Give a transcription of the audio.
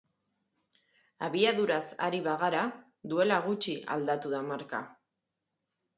Abiaduraz ari bagara, duela gutxi aldatu da marka.